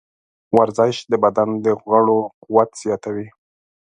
ورزش د بدن د غړو قوت زیاتوي.